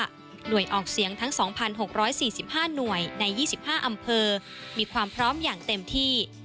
หน่วยออกเสียงทั้ง๒๖๔๕หน่วยใน๒๕อำเภอมีความพร้อมอย่างเต็มที่